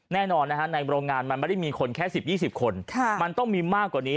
แน่นอนในโรงงานมันไม่ได้มีคนแค่๑๐๒๐คนมันต้องมีมากกว่านี้